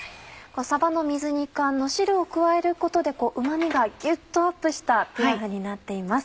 さばの水煮缶の汁を加えることでうま味がギュっとアップしたピラフになっています。